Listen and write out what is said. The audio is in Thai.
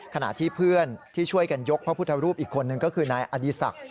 ขณะที่เพื่อนที่ช่วยกันยกพระพุทธรูปอีกคนนึงก็คือนายอดีศักดิ์